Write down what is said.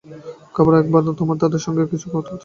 খাবার আগে একবার তোমার দাদার সঙ্গে কিছু কথাবার্তা কয়ে আসি গে।